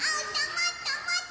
もっともっと！